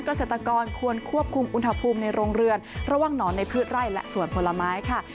เกษตรกรควรควบคุมอุณหภูมิในโรงเรือนระหว่างหนอนในพืชไร่และสวนผลไม้ค่ะ